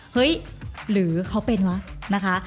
เฮ้ยหรือเขาเป็นวะนะคะ